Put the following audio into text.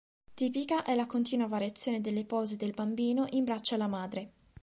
Tipica è la continua variazione delle pose del Bambino in braccio alla madre.